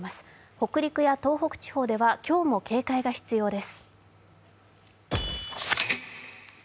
北陸や東北地方では今日も警戒が必要です。